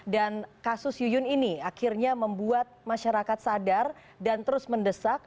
dan kasus yuyun ini akhirnya membuat masyarakat sadar dan terus mendesak